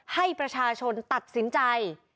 ให้ประชาชนตัดสินใจ